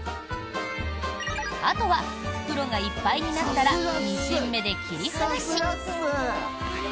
あとは、袋がいっぱいになったらミシン目で切り離し。